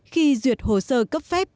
khi duyệt hồ sơ cấp phép